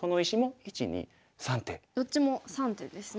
どっちも３手ですね。